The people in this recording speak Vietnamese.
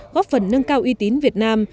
góp phần nâng cao y tín việt nam